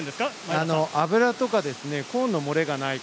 油とかコーンの漏れがないか